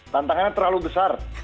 tantangannya terlalu besar